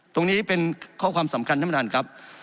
ตรงนี้เป็นข้อความสำคัญท่านประธานครับ